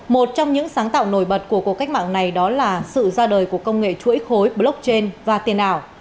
một trong những sáng tạo nổi bật của cuộc cách mạng này đó là sự ra đời của công nghệ chuỗi khối blockchain và tiền ảo